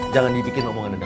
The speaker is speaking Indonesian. jangan dibikin ngomongan dedak